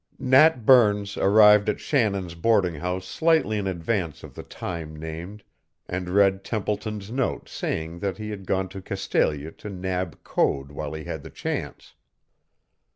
Nat Burns arrived at Shannon's boarding house slightly in advance of the time named, and read Templeton's note saying that he had gone to Castalia to nab Code while he had the chance.